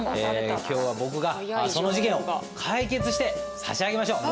今日は僕がその事件を解決して差し上げましょう。